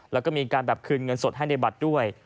แล้วก็มีการแบบคืนเงินสดให้ในบัตรด้วย